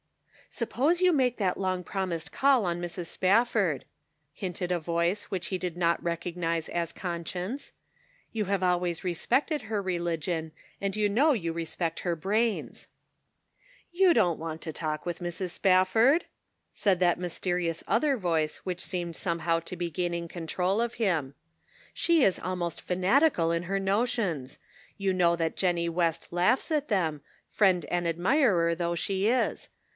" Suppose you make that long promised call on Mrs. Spafford," hinted a voice which he did not recognize as conscience. " You have always respected her religion, and you know you respect her brains." "You don't want to talk with Mrs. Spafford," "They Are Not Wise." 181 said that mysterious other voice which seemed somehow to be gaining control of him. " She is almost fanatical in her notions. You know that Jennie West laughs at them, friend and admirer though she is.